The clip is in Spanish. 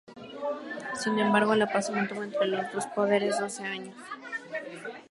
Sin embargo, la paz se mantuvo entre los dos poderes doce años más.